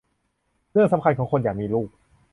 เรื่องสำคัญของคนอยากมีลูก